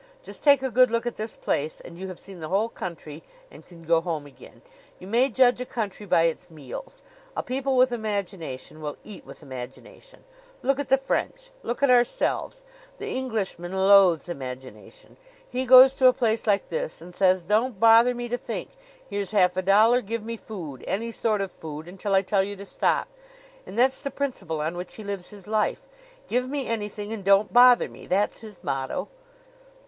Just take a good look at this place and you have seen the whole country and can go home again. You may judge a country by its meals. A people with imagination will eat with imagination. Look at the French; look at ourselves. The Englishman loathes imagination. He goes to a place like this and says: 'Don't bother me to think. Here's half a dollar. Give me food any sort of food until I tell you to stop.' And that's the principle on which he lives his life. 'Give me anything, and don't bother me!' That's his motto."